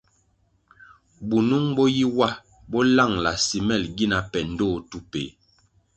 Bunung bo yi wa bo langʼla simel gina pe ndtoh tu peh.